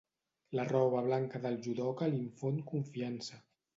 La roba blanca del judoka l'infon confiança.